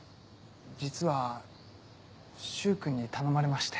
実は柊君に頼まれまして。